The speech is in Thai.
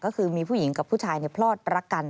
ก็คือมีผู้หญิงกับผู้ชายพลอดรักกัน